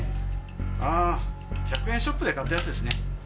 ああ１００円ショップで買ったやつですね。